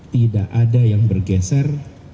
tidak ada yang bergeser